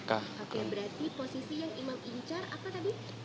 oke berarti posisi yang imam incar apa tadi